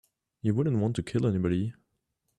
You wouldn't want to kill anybody.